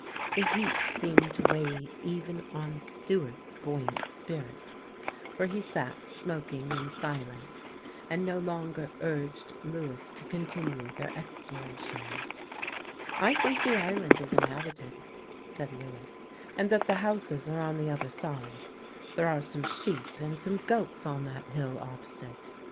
The heat seemed to weigh even on Stewart's buoyant spirits, for he sat smoking in silence, and no longer urged Lewis to continue their exploration. "I think the island is inhabited," said Lewis, "and that the houses are on the other side. There are some sheep and some goats on that hill opposite.